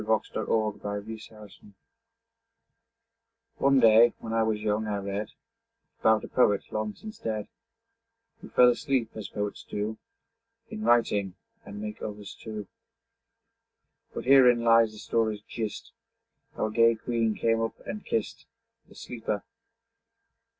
XXIX THE POET WHO SLEEPS One day, when I was young, I read About a poet, long since dead, Who fell asleep, as poets do In writing and make others too. But herein lies the story's gist, How a gay queen came up and kist The sleeper.